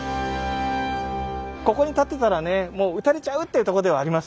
ここに立ってたらねもう撃たれちゃうっていうとこではありますよね。